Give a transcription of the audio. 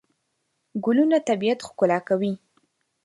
ګلونه طبیعت ښکلا کوي.